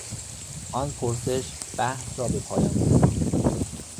آن پرسش بحث را به پایان رساند.